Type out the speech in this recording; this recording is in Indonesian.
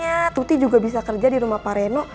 ya tuti juga bisa kerja di rumah pak reno